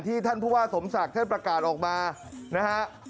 ท่านผู้ว่าสมศักดิ์ท่านประกาศออกมานะฮะ